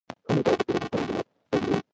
ښه مدیریت د پیرودونکي رضایت تضمینوي.